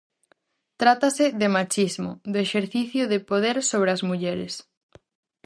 Trátase de machismo, do exercicio de poder sobre as mulleres.